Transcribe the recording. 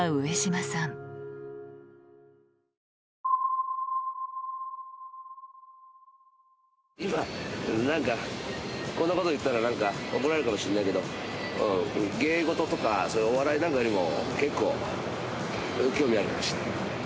なんかこんなこと言ったら怒られるかもしれないけど芸事とかお笑いなんかよりも結構、興味ありました。